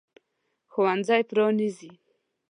ښوونځی پرانیزي.